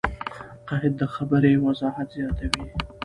قید؛ د خبري وضاحت زیاتوي.